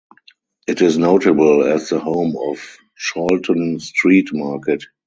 It is notable as the home of Chalton Street Market.